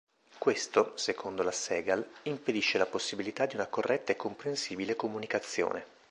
Questo, secondo la Segal, impedisce la possibilità di una corretta e comprensibile comunicazione.